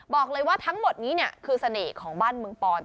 บอกเลยว่าทั้งหมดนี้คือเสน่ห์ของบ้านเมืองปอน